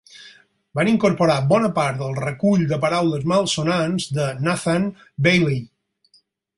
Va incorporar bona part del recull de paraules malsonants de Nathan Bailey.